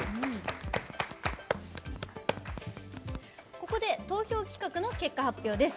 ここで投票企画の結果発表です。